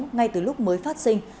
ngay từ lúc mới phát sinh